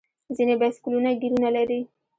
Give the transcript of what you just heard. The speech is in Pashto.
ځینې بایسکلونه ګیرونه لري.